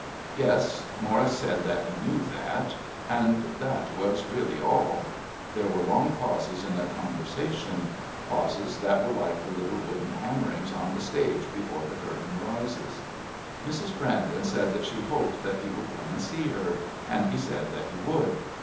Yes, Morris said that he knew that. And that was really all. There were long pauses in their conversation, pauses that were like the little wooden hammerings on the stage before the curtain rises. Mrs. Brandon said that she hoped that he would come and see her, and he said that he would.